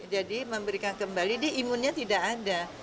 jadi memberikan kembali diimunnya tidak ada